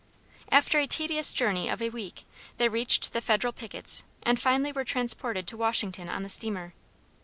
After a tedious journey of a week, they reached the Federal pickets, and finally were transported to Washington on the steamer.